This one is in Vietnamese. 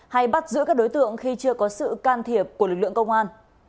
hay bắt giữ các đối tượng khi chưa có sự can thiệp của lực lượng công an